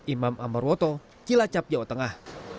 imam amarwoto cilacap jawa tengah